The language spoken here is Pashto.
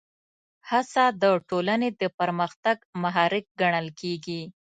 هڅه د ټولنې د پرمختګ محرک ګڼل کېږي.